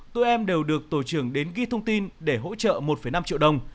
tụi em đều được tổ trưởng đến ghi thông tin để hỗ trợ một năm triệu đồng